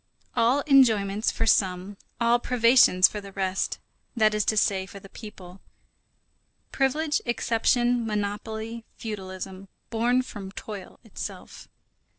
All enjoyments for some, all privations for the rest, that is to say, for the people; privilege, exception, monopoly, feudalism, born from toil itself.